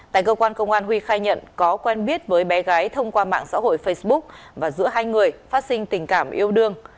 tại cơ quan công an huy khai nhận có quen biết với bé gái thông qua mạng xã hội facebook và giữa hai người phát sinh tình cảm yêu đương